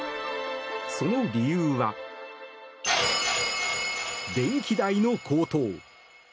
その理由は、電気代の高騰。